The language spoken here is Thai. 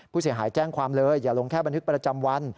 ผู้เสียหายแจ้งความเลยอย่าลงแค่บันทึกประจำวัน